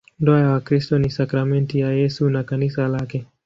Ndoa ya Wakristo ni sakramenti ya Yesu na Kanisa lake.